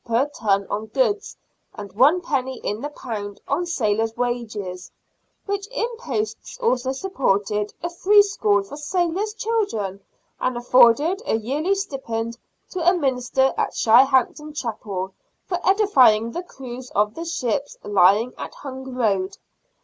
per ton on goods, and one penny in the pound on sailors' wages, which imposts also supported a free school for sailors' children, and afforded a yearly stipend to a minister at Shirehampton Chapel for edifying the crews of the ships lying at Hung road.